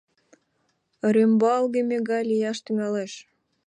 Рӱмбалгыме гай лияш тӱҥалеш.